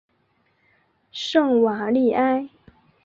圣瓦利埃。